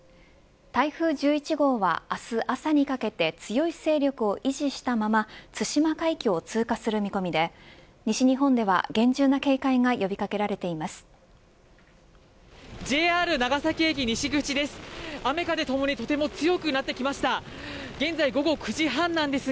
台風１１号は明日、朝にかけて強い勢力を維持したまま対馬海峡を通過する見込みで西日本では、厳重な警戒が呼び掛けられています。